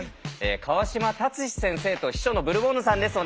川島達史先生と秘書のブルボンヌさんです。